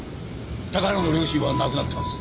高原の両親は亡くなっています。